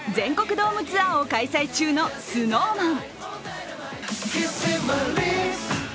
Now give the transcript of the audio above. ドームツアーを開催中のＳｎｏｗＭａｎ。